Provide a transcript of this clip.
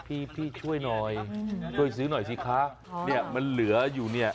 พี่พี่ช่วยหน่อยช่วยซื้อหน่อยสิคะเนี่ยมันเหลืออยู่เนี่ย